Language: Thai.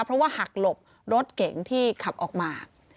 เพราะว่าหักหลบรถเก๋งที่ขับออกมา